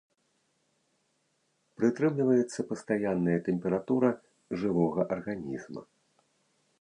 Прытрымліваецца пастаянная тэмпература жывога арганізма.